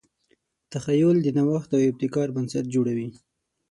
تخیل د نوښت او ابتکار بنسټ جوړوي.